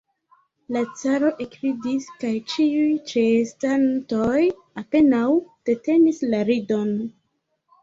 La caro ekridis, kaj ĉiuj ĉeestantoj apenaŭ detenis la ridon.